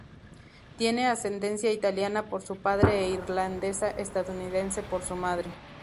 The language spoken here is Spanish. Tiene ascendencia italiana por su padre e irlandesa-estadounidense por su madre.